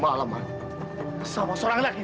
mau saya pecat lagi